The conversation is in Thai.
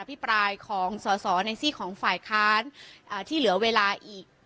อภิปรายของสศในสิของฝ่ายคารอ่าที่เหลือเวลาอีก